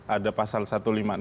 ada pasal satu ratus lima puluh enam